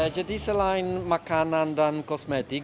jadi selain makanan dan kosmetik